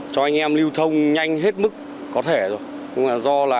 cho anh em lưu thông nhanh hết mức có thể rồi